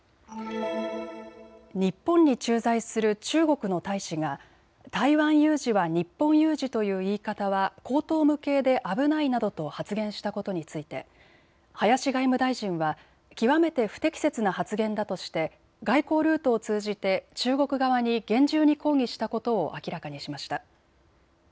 日本に駐在する中国の大使が台湾有事は日本有事という言い方は荒唐無稽で危ないなどと発言したことについて林外務大臣は極めて不適切な発言だとして外交ルートを通じて中国側に厳重に抗議したことを明らかにしました。